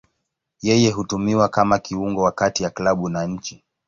Yeye hutumiwa kama kiungo wa kati ya klabu na nchi.